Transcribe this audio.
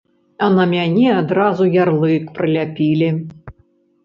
А на мяне адразу ярлык прыляпілі.